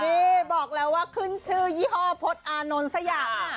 นี่บอกแล้วว่าขึ้นชื่อยี่ห้อพฤษอานนท์สักอย่าง